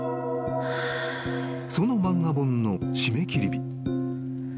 ［その漫画本の締め切り日］